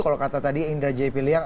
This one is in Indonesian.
kalau kata tadi indra j piliang